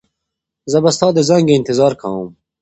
زه به ستا د زنګ انتظار کوم.